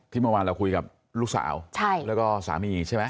ที่เมื่อไม่เรากินกับลูกสาวใช่แล้วก็สามีใช่ไหม